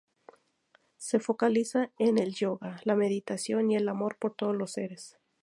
Se focaliza en el yoga, la meditación y el amor por todos los seres.